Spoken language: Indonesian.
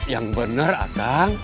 yang bener kak